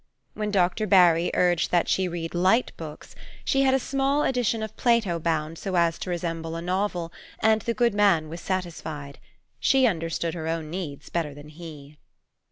When Dr. Barry urged that she read light books, she had a small edition of Plato bound so as to resemble a novel, and the good man was satisfied. She understood her own needs better than he.